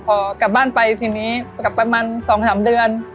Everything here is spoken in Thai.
พอกลับบ้านไปทีนี้กลับไปประมาณ๒๓เดือน